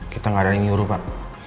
kita tidak ada yang menyuruh pak